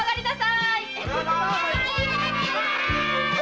いただきます。